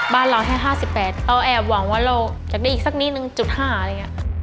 บ้านเราแค่๕๘เราแอบหวังว่าเราอยากได้อีกสักนิดนึงจุด๕อะไรอย่างนี้